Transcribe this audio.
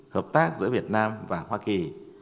hợp tác giữa việt nam và hoa kỳ